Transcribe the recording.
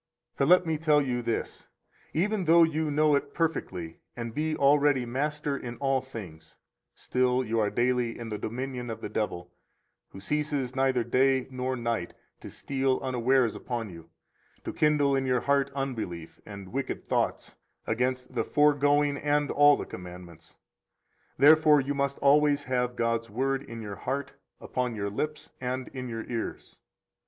100 For let me tell you this, even though you know it perfectly and be already master in all things, still you are daily in the dominion of the devil, who ceases neither day nor night to steal unawares upon you, to kindle in your heart unbelief and wicked thoughts against the foregoing and all the commandments. Therefore you must always have God's Word in your heart, upon your lips, and in your ears.